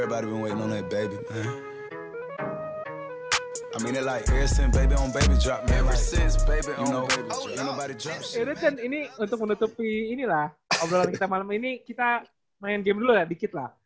ya udah chen ini untuk menutupi ini lah obrolan kita malam ini kita main game dulu ya dikit lah